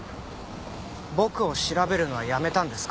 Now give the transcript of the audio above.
僕を調べるのはやめたんですか？